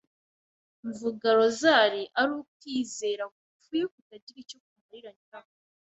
mvuga Rozari ari ukwizera gupfuye kutagira icyo kumarira nyirako.